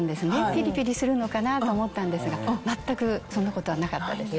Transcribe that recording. ピリピリするのかなと思ったんですが全くそんなことはなかったです。